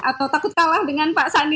atau takut kalah dengan pak sandi